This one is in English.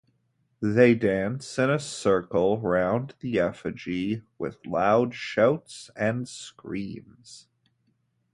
They dance in a circle round the effigy with loud shouts and screams.